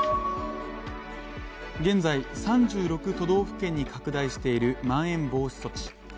現在、３６都道府県に拡大しているまん延防止措置。